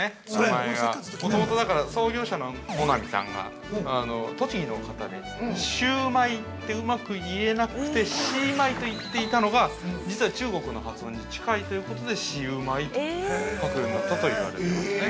もともと、だから、創業者の野並さんが栃木の方でシューマイってうまく言えなくて、シーマイと言っていたのが、実は中国の発音に近いということでシウマイと書くようになったと言われてますね。